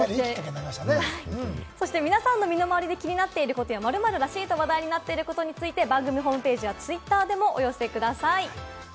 そして皆さんの身の回りで気になっていること、「○○らしい」で話題になっていることについて、番組ホームページやツイッターなどでもお寄せください。